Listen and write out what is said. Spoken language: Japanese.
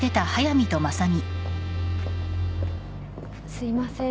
すいません